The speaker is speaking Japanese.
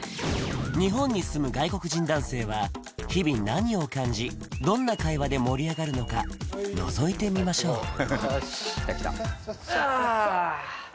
日本に住む外国人男性は日々何を感じどんな会話で盛り上がるのかのぞいてみましょうああ